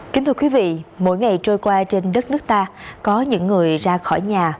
kính thưa quý vị mỗi ngày trôi qua trên đất nước ta có những người ra khỏi nhà